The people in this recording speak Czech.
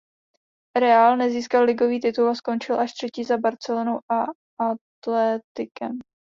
Real nezískal ligový titul a skončil až třetí za Barcelonou a Atléticem.